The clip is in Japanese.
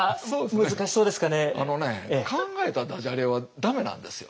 あのね考えたダジャレは駄目なんですよ。